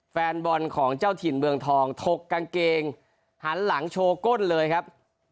แฟนบอลของเจ้าถิ่นเมืองทองถกกางเกงหันหลังโชว์ก้นเลยครับ